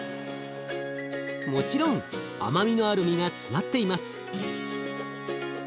もちろん甘みのある身が詰まっています。